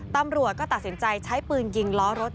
ตำรวจก็ตัดสินใจใช้ปืนยิงล้อรถ